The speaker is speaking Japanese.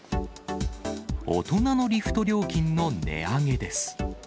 大人のリフト料金の値上げです。